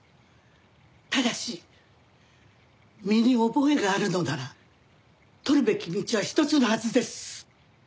ただし身に覚えがあるのなら取るべき道は一つのはずです。